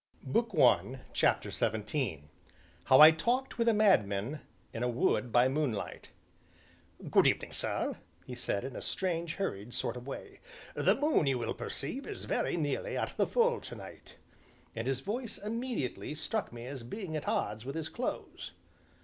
CHAPTER XVII HOW I TALKED WITH A MADMAN IN A WOOD BY MOONLIGHT "Good evening, sir!" he said, in a strange, hurried sort of way, "the moon, you will perceive, is very nearly at the full to night." And his voice, immediately, struck me as being at odds with his clothes.